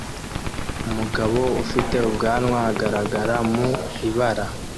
Umugabo ufite ubwanwa agaragara mu ibara